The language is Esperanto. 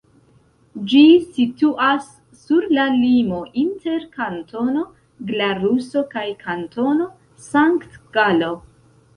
Ĝi situas sur la limo inter Kantono Glaruso kaj Kantono Sankt-Galo.